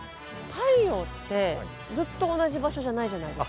太陽ってずっと同じ場所じゃないじゃないですか。